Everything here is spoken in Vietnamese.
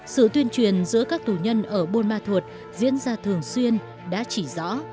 sự tuyên truyền giữa các tù nhân ở buôn ma thuột diễn ra thường xuyên đã chỉ rõ